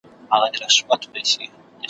او پر ځای د چڼچڼیو توتکیو ,